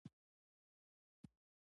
د سکواټورانو لپاره یې پراخې ځمکې وموندلې.